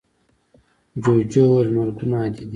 جوجو وویل مرگونه عادي دي.